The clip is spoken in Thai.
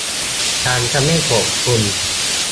ฉันจะไม่โกรธคุณ